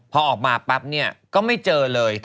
พอออกมาปั๊บเนี่ยก็ไม่เจอเลย